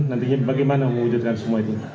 nantinya bagaimana mewujudkan semua itu